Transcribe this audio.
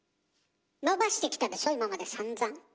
伸ばしてきたでしょ今までさんざん。